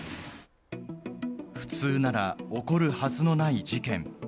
普通なら起こるはずのない事件。